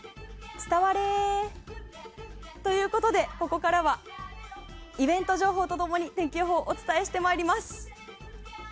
伝われ！ということで、ここからはイベント情報と共に天気予報をお伝えしてまいります。